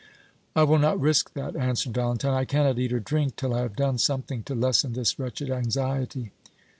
"I will not risk that," answered Valentine. "I cannot eat or drink till I have done something to lessen this wretched anxiety."